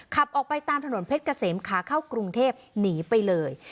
ขับออกไปตามถนนเพชรเกษมขาเข้ากรุงเทพหนีไปเลย